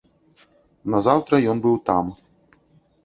Назаўтра ён быў там.